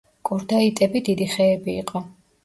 კორდაიტები დიდი ხეები იყო.